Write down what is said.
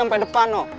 sampai depan bu